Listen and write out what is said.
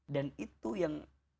dan itu yang